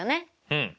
うん。